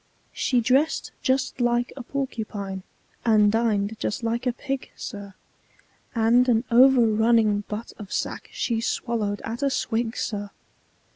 She dress'd just like a porcupine, and din'd just like a pig, sir, And an over running butt of sack she swallow'd at a swig, sir!